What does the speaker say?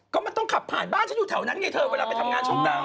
ก็มาต้องขับผ่านบ้านฉันอยู่แถวนั้นเวลาไปทำงานฉันนั้น